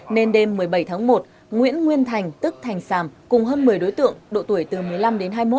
nên đêm một mươi bảy tháng một nguyễn nguyên thành tức thành sàm cùng hơn một mươi đối tượng độ tuổi từ một mươi năm đến hai mươi một